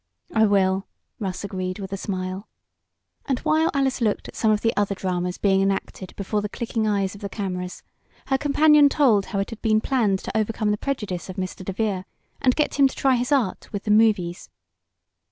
"I will," Russ agreed, with a smile. And, while Alice looked at some of the other dramas being enacted before the clicking eyes of the cameras, her companion told how it had been planned to overcome the prejudice of Mr. DeVere and get him to try his art with the "movies."